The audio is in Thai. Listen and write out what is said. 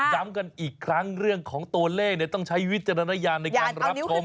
ย้ำกันอีกครั้งเรื่องของตัวเลขต้องใช้วิจารณญาณในการรับชม